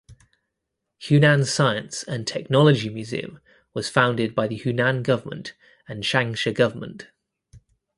Hunan Science and Technology Museum was founded by the Hunan government and Changsha government.